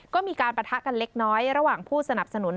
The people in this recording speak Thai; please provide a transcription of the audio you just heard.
ก็มีการปะทะกันเล็กน้อยระหว่างผู้สนับสนุน